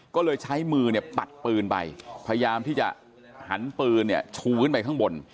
ก็เลยใช้มือเนี่ยปัดปืนไปพยายามที่จะหันปืนเนี่ยชูขึ้นไปข้างบน